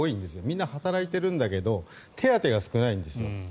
みんな働いているんだけど手当が少ないんです。